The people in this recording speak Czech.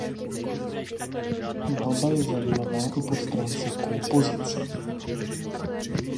Malba je zajímavá i po stránce kompozice.